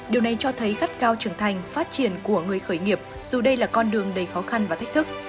điều này cho thấy gắt cao trưởng thành phát triển của người khởi nghiệp dù đây là con đường đầy khó khăn và thách thức